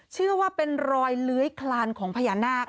เชื่อว่าเป็นรอยเลื้อยคลานของพญานาค